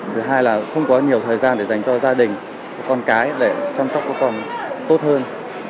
thứ hai là không có nhiều thời gian để dành cho gia đình các con cái để chăm sóc các con tốt hơn